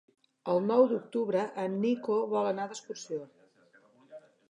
El nou d'octubre en Nico vol anar d'excursió.